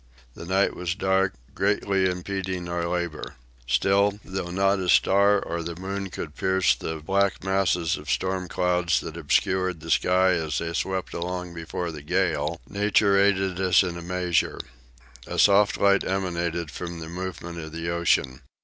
The night was dark, greatly impeding our labor. Still, though not a star or the moon could pierce the black masses of storm clouds that obscured the sky as they swept along before the gale, nature aided us in a measure. A soft light emanated from the movement of the ocean.